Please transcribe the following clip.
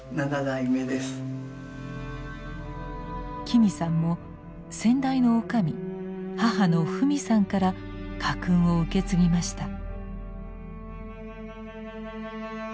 紀美さんも先代の女将母のふみさんから家訓を受け継ぎました。